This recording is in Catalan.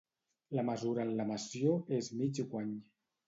La mesura en la messió és mig guany.